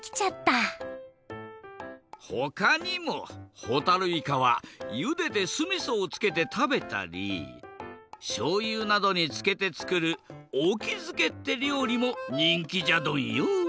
ほかにもほたるいかはゆでてすみそをつけて食べたりしょうゆなどにつけてつくるおきづけってりょうりもにんきじゃドンよ。